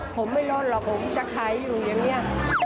ผมไม่ลดหรอกผมจะขายอยู่อย่างนี้